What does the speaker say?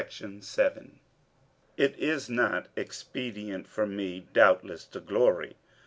47:012:001 It is not expedient for me doubtless to glory.